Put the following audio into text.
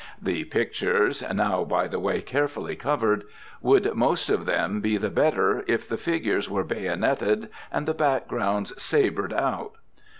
The pictures (now, by the way, carefully covered) would most of them be the better, if the figures were bayoneted and the backgrounds sabred out.